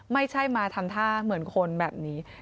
ไม่ใช่มาทำท่าเหมือนคนแบบนี้